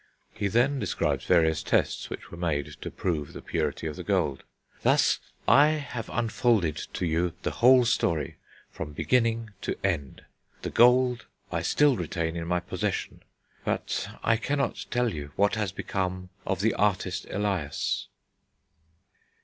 He then describes various tests which were made to prove the purity of the gold. "Thus I have unfolded to you the whole story from beginning to end. The gold I still retain in my possession, but I cannot tell you what has become of the Artist Elias."